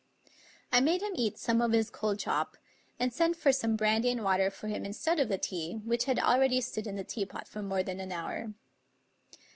I made him eat some of his cold chop, and sent for some brandy and water for him instead of the tea, which had already stood in the tea pot for more than an hour.